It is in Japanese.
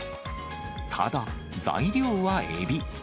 ただ、材料はエビ。